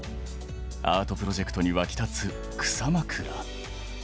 アートプロジェクトに沸き立つ「草枕」。